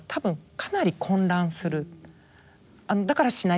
かなり混乱する。